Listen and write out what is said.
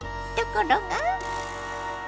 ところが。